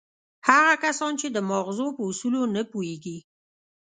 هغه کسان چې د ماغزو په اصولو نه پوهېږي.